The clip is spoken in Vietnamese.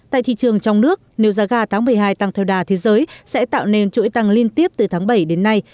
tại thị trường trong nước nếu giá ga tháng một mươi hai tăng theo đà thế giới sẽ tạo nên chuỗi tăng liên tiếp từ tháng bảy đến nay